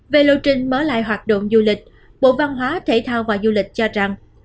về lộ trình mở lại hoạt động du lịch bộ văn hóa thể thao và du lịch cho rằng